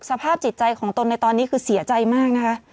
สภาพจิตใจของตนในตอนนี้คือเสียใจมากนะคะ